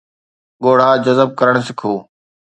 ڳوڙها جذب ڪرڻ سکو